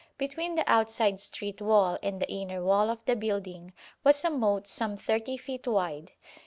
Between the outside street wall and the inner wall of the building was a moat some thirty feet wide.